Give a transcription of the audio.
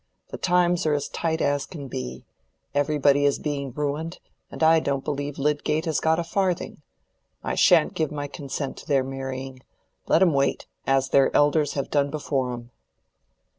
The times are as tight as can be; everybody is being ruined; and I don't believe Lydgate has got a farthing. I shan't give my consent to their marrying. Let 'em wait, as their elders have done before 'em."